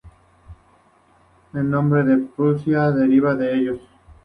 El nombre de Prusia deriva de ellos.